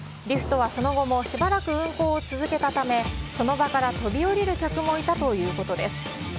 リフトはその後もしばらく運行を続けたため、その場から飛び降りる客もいたということです。